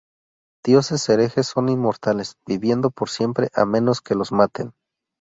Dioses Herejes son inmortales, viviendo por siempre a menos que los maten.